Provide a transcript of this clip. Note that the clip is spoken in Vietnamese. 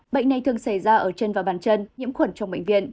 bệnh này thường xảy ra ở chân và bàn chân nhiễm khuẩn trong bệnh viện